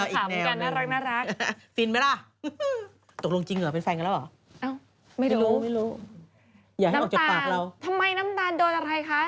อีกแนวนึงฟินไหมล่ะตกลงจริงเหรอเป็นแฟนกันแล้วเหรอไม่รู้น้ำตาลทำไมน้ำตาลโดนอะไรคะ